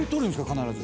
必ず。